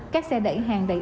các xe đẩy hàng đẩy ấp